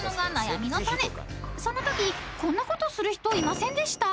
［そんなときこんなことする人いませんでした？］